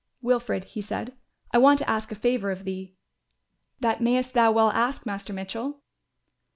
"Wilfred," he said, "I want to ask a favour of thee." "That mayest thou well ask, Master Mitchell."